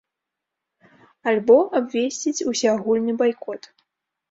Альбо абвесціць усеагульны байкот.